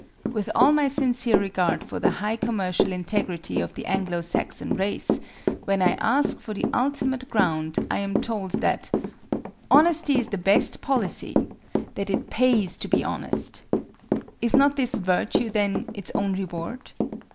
With all my sincere regard for the high commercial integrity of the Anglo Saxon race, when I ask for the ultimate ground, I am told that "Honesty is the best policy," that it pays to be honest. Is not this virtue, then, its own reward?